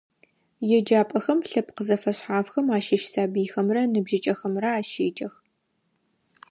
Еджапӏэхэм лъэпкъ зэфэшъхьафхэм ащыщ сабыйхэмрэ ныбжьыкӏэхэмрэ ащеджэх.